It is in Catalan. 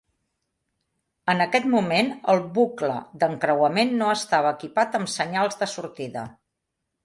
En aquest moment, el bucle d'encreuament no estava equipat amb senyals de sortida.